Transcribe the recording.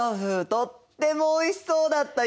とってもおいしそうだった。